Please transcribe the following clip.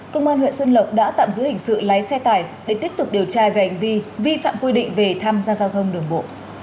công an huyện xuân lộc đã tạm giữ hình sự lái xe tải để tiếp tục điều tra về hành vi vi phạm quy định về tham gia giao thông đường bộ